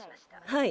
はい。